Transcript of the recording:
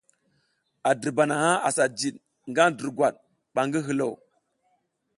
A dirba naha asa jid nga durgwad ɓa ngi hilo.